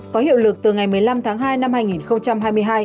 có hiệu lực từ ngày một mươi năm tháng hai năm hai nghìn hai mươi hai